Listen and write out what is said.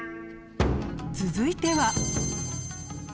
続いては。